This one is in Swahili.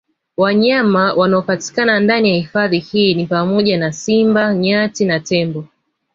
Wanyama wanaopatikana ndani ya hifadhi hii ni pamoja na Simba Nyati na Tembo